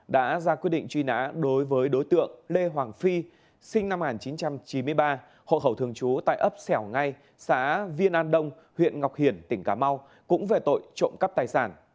đối tượng lê hoàng phi sinh năm một nghìn chín trăm chín mươi ba hộ khẩu thường chú tại ấp xẻo ngay xã viên an đông huyện ngọc hiển tỉnh cà mau cũng về tội trộm cắp tài sản